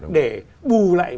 để bù lại